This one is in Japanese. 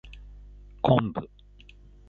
昆布